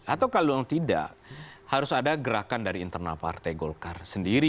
atau kalau tidak harus ada gerakan dari internal partai golkar sendiri